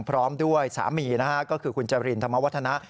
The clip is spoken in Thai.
พร้อมด้วยสามีคุณจารินธรรมวฒนะ